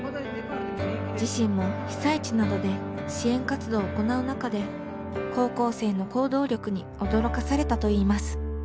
自身も被災地などで支援活動を行う中で高校生の行動力に驚かされたといいます。